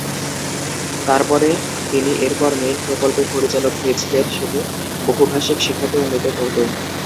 তারপরে, তিনি এরপর মেইন প্রকল্পের পরিচালক হয়েছিলেন সেটি বহুভাষিক শিক্ষাকে উন্নীত করতো।